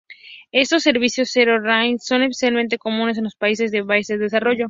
Estos servicios zero-rating son especialmente comunes en los países en vías de desarrollo.